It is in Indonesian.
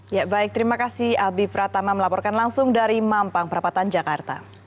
ya baik terima kasih albi pratama melaporkan langsung dari mampang perapatan jakarta